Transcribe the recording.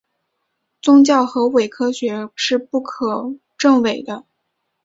宗教和伪科学是不可证伪的。